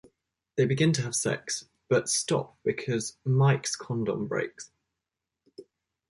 They begin to have sex, but stop because Mike's condom breaks.